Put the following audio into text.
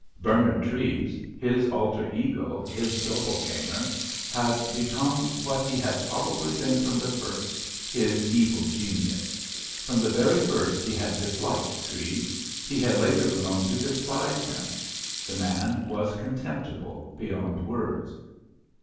Bernard Treves—his alter ego, his doppel gänger—had become what he had probably been from the first—his evil genius. From the very first he had disliked Treves; he had later grown to despise him. The man was contemptible beyond words.